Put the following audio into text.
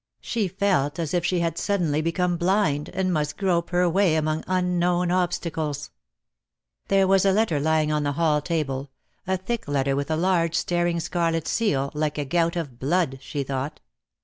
She felt as if she had suddenly be come blind, and must grope her way among un known obstacles. There was a letter lying on the hall table, a thick letter with a large staring scarlet seal, like a gout of blood, she thought.